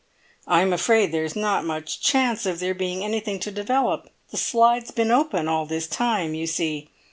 "I'm afraid there's not much chance of there being anything to develop; the slide's been open all this time, you see."